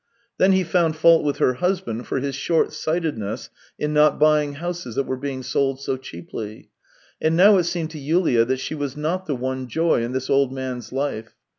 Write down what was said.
Then he found fault with her husband for his short sightedness in not buying houses that were being sold so cheaply. And now it seemed to Yulia that she was not the one joy in this old man's life.